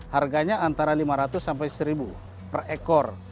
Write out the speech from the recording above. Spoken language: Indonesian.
harganya antara lima ratus sampai satu ribu per ekor